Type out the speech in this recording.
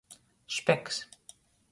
Špeks.